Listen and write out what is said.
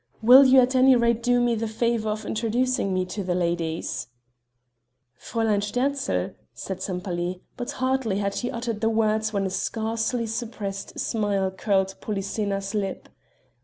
Will you at any rate do me the favor of introducing me to the ladies?" "Fräulein Sterzl " said Sempaly; but hardly had he uttered the words when a scarcely suppressed smile curled Polyxena's lip.